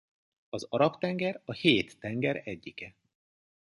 Az Arab-tenger a Hét tenger egyike.